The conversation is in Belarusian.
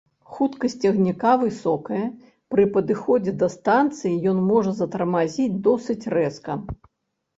Хуткасць цягніка высокая, пры падыходзе да станцыі ён можа затармазіць досыць рэзка.